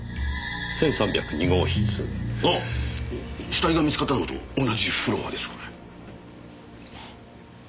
死体が見つかったのと同じフロアですこれ。